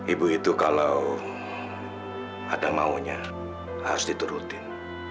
ibu itu kalau ada maunya harus diturutin